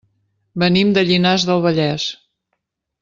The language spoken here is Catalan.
Venim de Llinars del Vallès.